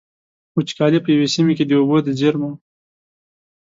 وچکالي په يوې سيمې کې د اوبو د زېرمو.